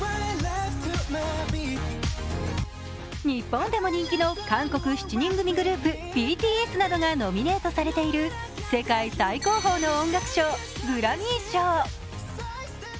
日本でも人気の韓国７人組グループ・ＢＴＳなどがノミネートされている世界最高峰の音楽賞、グラミー賞。